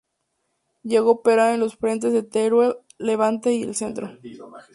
Llegó a operar en los frentes de Teruel, Levante y el Centro.